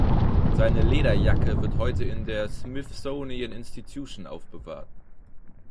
Seine Lederjacke wird heute in der Smithsonian Institution aufbewahrt.